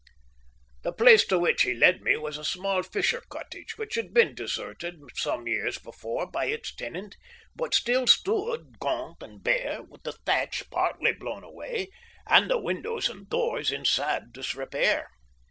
The place to which he led me was a small fisher cottage which had been deserted some years before by its tenant, but still stood gaunt and bare, with the thatch partly blown away and the windows and doors in sad disrepair.